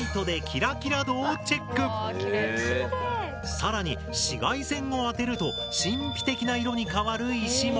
更に紫外線を当てると神秘的な色に変わる石も。